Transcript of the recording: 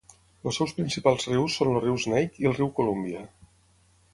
Els seus principals rius són el riu Snake i el riu Columbia.